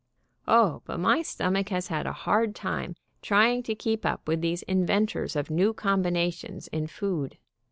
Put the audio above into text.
O, but my stomach has had a hard time trying to keep up with these inventors of new combinations in food.